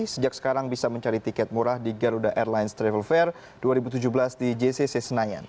sejak sekarang bisa mencari tiket murah di garuda airlines travel fair dua ribu tujuh belas di jcc senayan